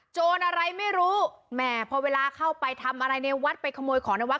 โจรอะไรไม่รู้แหมพอเวลาเข้าไปทำอะไรในวัดไปขโมยของในวัด